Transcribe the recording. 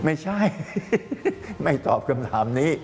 ไม่ใช่ไม่ตอบคำถามนี้